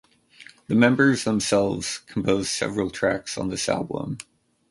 The members themselves composed several tracks on this album.